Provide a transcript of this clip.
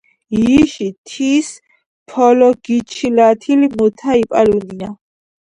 იში თის ფოლოგოჩილათილი მუთა იპალუნია."